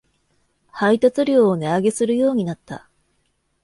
配達料を値上げするようになった